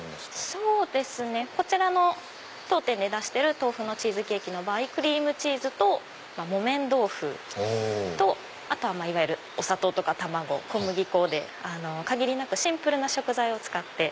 そうですね当店で出してる豆腐のチーズケーキの場合クリームチーズと木綿豆腐とあとはいわゆるお砂糖とか卵小麦粉で限りなくシンプルな食材を使って。